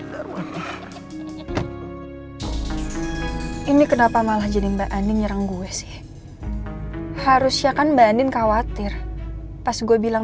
hai ini kenapa malah jadinya aning nyerang gue sih harusnya kan banding khawatir pas gue bilang